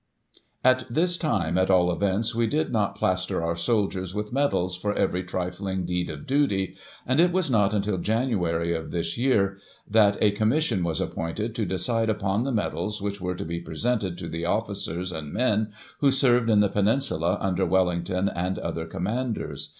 At this time, at all events, we did not plaster our soldiers with medals for every trifling deed of duty, and it was not until Januciry of this year, that a Commission was appointed to decide upon the medals >yhich were to be presented to the officers and men who served in the Peninsula, under Welling ton and other commanders.